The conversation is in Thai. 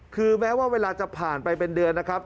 คือแม้ว่าเวลาจะผ่านไปเป็นเดือนนะครับ